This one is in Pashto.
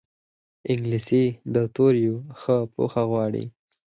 انګلیسي د توریو ښه پوهه غواړي